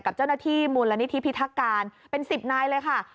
กับเจ้าหน้าที่มูลนิธิพิทักการเป็น๑๐นายเลยค่ะ